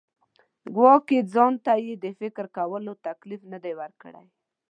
ګواکې ځان ته یې د فکر کولو تکلیف نه دی ورکړی.